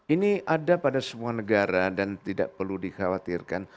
ini ada pada semua negara dan tidak perlu dikhawatirkan